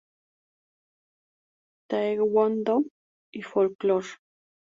Taekwondo y Folklore.